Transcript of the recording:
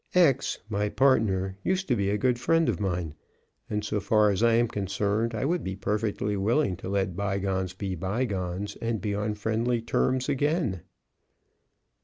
X, my partner, used to be a good friend of mine. And, so far as I am concerned, I would be perfectly willing to let bygones be bygones and be on friendly terms again.